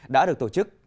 đã được tổ chức